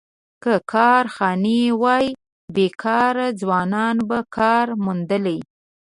که کارخانې وای، بېکاره ځوانان به کار موندل.